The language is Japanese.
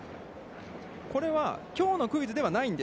これは、きょうのクイズではありません。